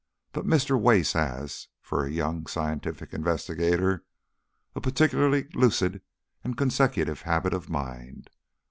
But Mr. Wace has, for a young scientific investigator, a particularly lucid and consecutive habit of mind.